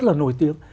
thế nhưng mà nói chung